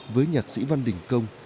với nhạc sĩ văn đình công